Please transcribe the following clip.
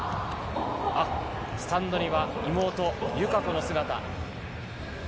あっ、スタンドには妹、友香子の姿。